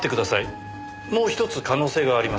もう１つ可能性があります。